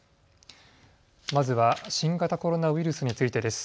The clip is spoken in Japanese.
まずは新型コロナウイルスについてです。